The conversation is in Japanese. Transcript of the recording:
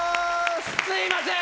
すいません！